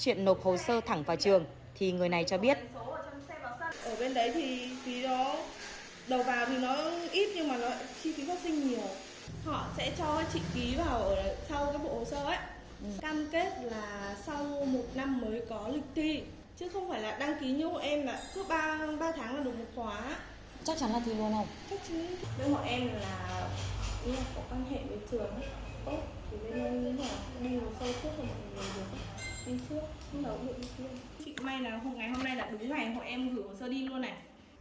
chị may là hôm nay là đúng hành mọi em gửi hồ sơ đi luôn này